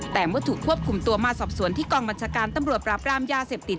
แต่เมื่อถูกควบคุมตัวมาสอบสวนที่กองบัญชาการตำรวจปราบรามยาเสพติด